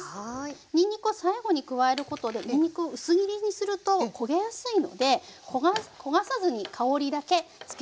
にんにくを最後に加えることでにんにくを薄切りにすると焦げやすいので焦がさずに香りだけつけることができます。